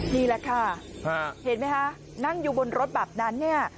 นี่แหละค่ะเห็นไหมคะนั่งอยู่บนรถแบบนั้นเนี่ย